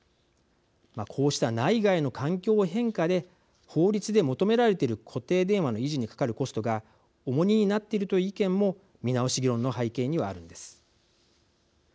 こうした内外の環境変化で法律で求められている固定電話の維持にかかるコストが重荷になっているという意見も見直し議論の背景にはあるんです。